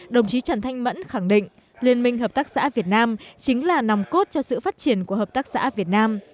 đồng chí trần thanh mẫn khẳng định liên minh hợp tác xã việt nam chính là nòng cốt cho sự phát triển của hợp tác xã việt nam